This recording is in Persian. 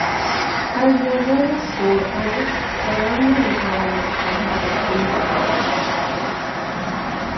از نظر سرعت ترن نمیتواند با هواپیما برابری کند.